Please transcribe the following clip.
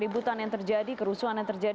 buruk jadidulu sister